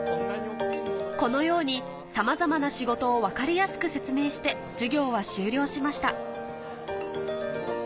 このようにさまざまな仕事を分かりやすく説明して授業は終了しました